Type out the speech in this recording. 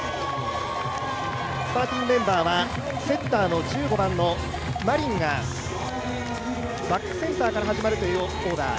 スターティングメンバーはセッター・１５番のマリンが、バックセンターから始まるというオーダー。